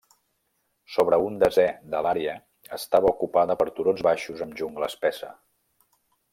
Sobre un desè de l'àrea estava ocupada per turons baixos amb jungla espessa.